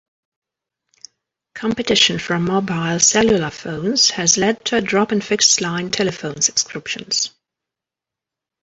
Competition from mobile-cellular phones has led to a drop in fixed-line telephone subscriptions.